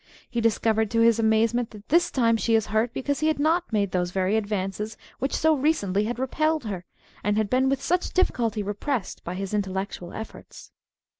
He discovers to his amazement that this time she is hurt because he had not made those very advances which so recently had repelled her, and had been with such diflSculty repressed by his intellectual efforts.